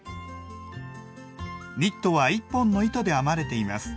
ニットは１本の糸で編まれています。